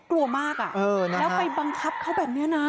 กลัวมากแล้วก็บังครับเหมือนกับเค้าแบบนี้นะ